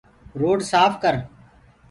دورڊ سآڦ ڪر۔